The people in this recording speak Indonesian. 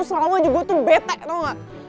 selalu aja gue tuh bete tau gak